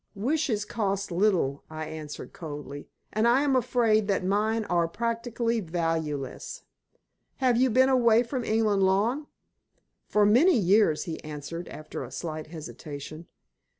"Wishes cost little," I answered, coldly, "and I am afraid that mine are practically valueless. Have you been away from England long?" "For many years," he answered, after a slight hesitation.